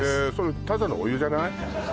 ただのお湯じゃない？